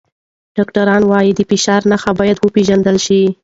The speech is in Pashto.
ډاکټران وايي د فشار نښې باید وپیژندل شي.